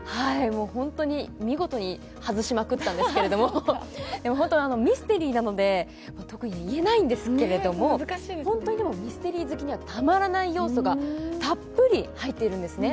本当に見事に外しまくったんですけども、ミステリーなので、特に言えないんですけれども、本当にミステリー好きにはたまらない要素がたっぷり入っているんですね。